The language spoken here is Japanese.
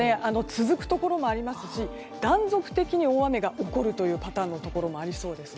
続くところもありますし断続的に大雨が起こるというパターンのところもありそうです。